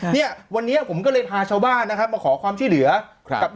เนี่ยวันนี้ผมก็เลยพาชาวบ้านนะครับมาขอความช่วยเหลือครับกับ